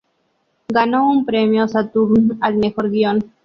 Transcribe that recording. Ganó un premio Saturn al mejor guión.